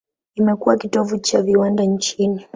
Imekuwa kitovu cha viwanda nchini.